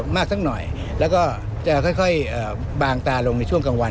มากสักหน่อยแล้วก็จะค่อยบางตาลงในช่วงกลางวัน